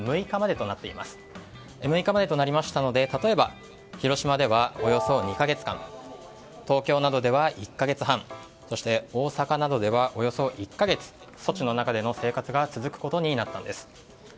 ６日までとなりましたので広島ではおよそ２か月間東京などでは１か月半そして大阪などではおよそ１か月措置の中での生活が続くことになったんです。